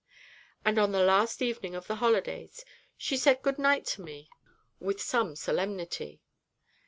And on the last evening of the holidays she said 'Good night' to me with some solemnity.